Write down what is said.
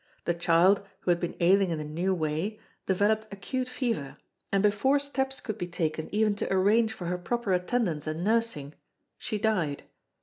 The child, who had been ailing in a new way, developed acute fever, and before steps could be taken even to arrange for her proper attendance and nursing, she died.